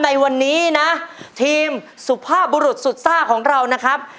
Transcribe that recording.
ในวันนี้นะทีมสุภาพบุรุษสุดซ่าของเรานะครับ